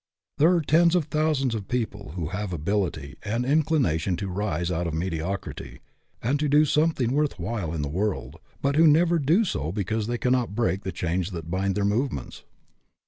There are tens of thousands of people who have ability and in clination to rise out of mediocrity, and to do something worth while in the world, but who never do so because they cannot break the chains that bind their movements.